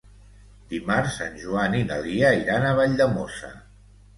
Dimarts en Joan i na Lia iran a Valldemossa.